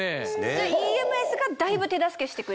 じゃあＥＭＳがだいぶ手助けしてくれる？